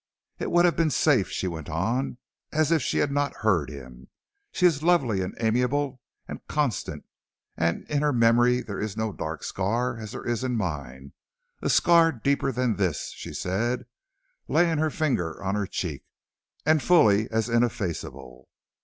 "It would have been safe," she went on as if she had not heard him. "She is lovely, and amiable, and constant, and in her memory there is no dark scar as there is in mine, a scar deeper than this," she said, laying her finger on her cheek, "and fully as ineffaceable."